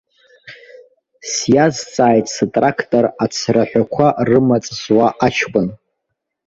Сиазҵааит страктор ацраҳәақәа рымаҵ зуа аҷкәын.